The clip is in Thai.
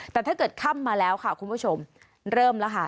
แต่ถ้าเกิดค่ำมาแล้วค่ะคุณผู้ชมเริ่มแล้วค่ะ